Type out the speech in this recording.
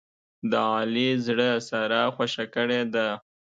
د علي زړه ساره خوښه کړې ده.